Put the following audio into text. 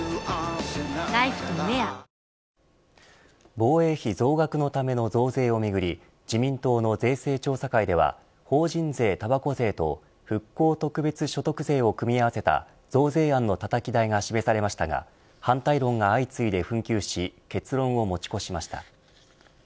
防衛費増額のための増税をめぐり自民党の税制調査会では法人税、たばこ税と復興特別所得税を組み合わせた増税案のたたき台が示されましたが反対論が相次いで紛糾し結論を持ち越しました。